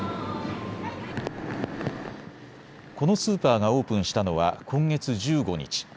このスーパーがオープンしたのは今月１５日。